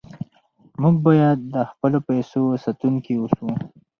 موږ باید د خپلو پیسو ساتونکي اوسو.